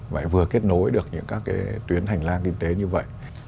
và vừa kết nối được những tuyến hành lang kinh tế như vậy